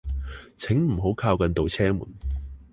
請唔好靠近度車門